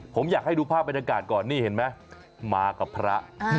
ผมอยากให้ดูภาพบรรยากาศก่อนนี่เห็นไหมมากับพระ